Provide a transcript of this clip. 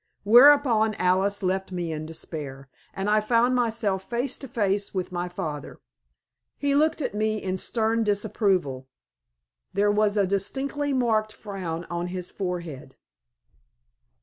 Whereupon Alice left me in despair, and I found myself face to face with my father. He looked at me in stern disapproval. There was a distinctly marked frown on his forehead.